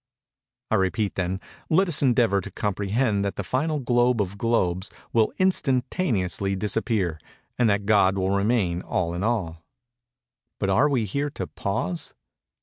I repeat then—Let us endeavor to comprehend that the final globe of globes will instantaneously disappear, and that God will remain all in all. But are we here to pause?